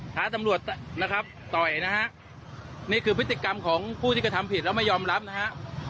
ท้าตำรวจนะครับต่อยนะฮะนี่คือพฤติกรรมของผู้ที่กระทำผิดแล้วไม่ยอมรับนะฮะ